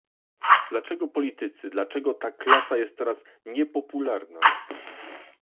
dlaczego politycy, dlaczego ta klasa jest teraz niepopularna?